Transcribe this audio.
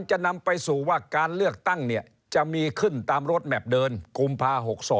จะนำไปสู่ว่าการเลือกตั้งเนี่ยจะมีขึ้นตามรถแมพเดินกุมภา๖๒